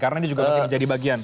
karena ini juga masih menjadi bagian